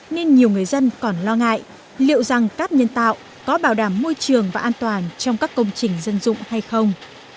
nên nhiều người dân còn lo ngại liệu rằng cát nhân tạo có bảo đảm môi trường và an toàn trong các công trình dân dụng hay không